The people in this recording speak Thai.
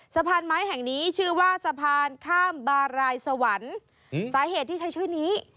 สะพานไม้แห่งนี้ชื่อว่าสะพานข้ามบารายสวรรค์สาเหตุที่ใช้ชื่อนี้